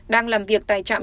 đang làm việc tại trạm